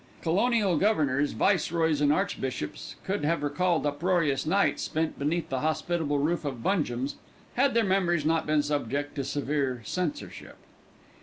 Colonial governors, viceroys, and archbishops could have recalled uproarious nights spent beneath the hospitable roof of Bungem's, had their memories not been subject to severe censorship.